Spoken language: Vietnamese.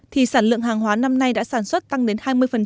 thì sản lượng hàng hóa năm nay đã sản xuất tăng đến hai mươi